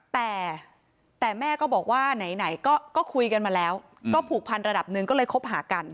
แต่แต่แม่ก็บอกว่าไหนก็คุยกันมาแล้วก็ผูกพันระดับหนึ่งก็เลยคบหากัน